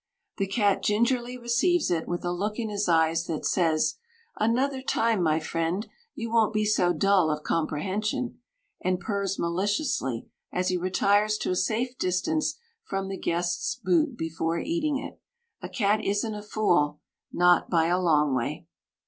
The cat gingerly receives it, with a look in his eyes that says: "Another time, my friend, you won't be so dull of comprehension," and purrs maliciously as he retires to a safe distance from the guest's boot before eating it. A cat isn't a fool not by a long way.